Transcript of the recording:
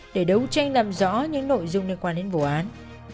để đấu tranh làm rõ những nội dung liên quan đến vụ án